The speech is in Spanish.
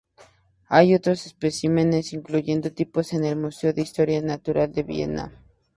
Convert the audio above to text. Hay otros especímenes, incluyendo tipos en el Museo de Historia Natural de Viena.